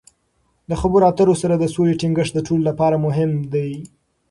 د خبرو اترو سره د سولې ټینګښت د ټولو لپاره مهم دی.